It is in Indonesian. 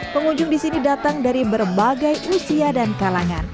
pengunjung di sini datang untuk mencoba